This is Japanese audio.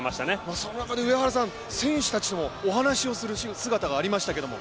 その中で選手たちとお話をする姿がありましたけれども？